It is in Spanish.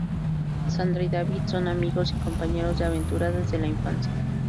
Sandra y David son amigos y compañeros de aventuras desde la infancia.